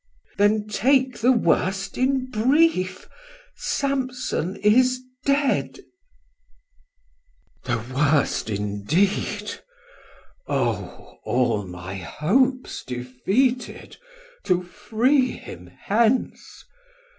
Mess: Then take the worst in brief, Samson is dead. 1570 Man: The worst indeed, O all my hope's defeated To free him hence!